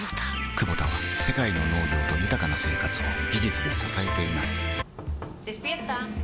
クボタは世界の農業と豊かな生活を技術で支えています起きて。